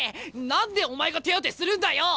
何でお前が手当てするんだよ！